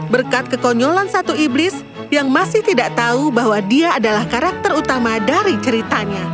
berkat kekonyolan satu iblis yang masih tidak tahu bahwa dia adalah karakter utama dari ceritanya